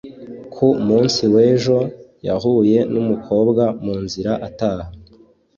ku munsi w'ejo, yahuye n'umukobwa mu nzira ataha